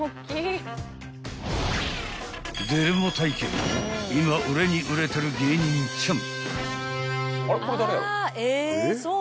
［デルモ体形の今売れに売れてる芸人ちゃん］